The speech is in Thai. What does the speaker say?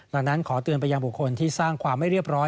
ดังนั้นขอเตือนไปยังบุคคลที่สร้างความไม่เรียบร้อย